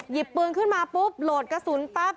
หยิบปืนขึ้นมาปุ๊บโหลดกระสุนปั๊บ